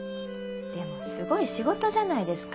でもすごい仕事じゃないですか。